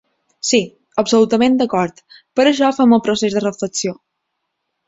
Sí, absolutament d’acord, per això fem el procés de reflexió.